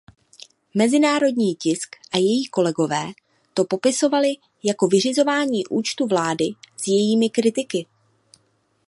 Mezinárodní tisk a její kolegové to popisovali jako vyřizování účtů vlády s jejími kritiky.